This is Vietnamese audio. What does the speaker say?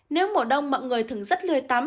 nếu mùa đông mọi người thường rất lười tắm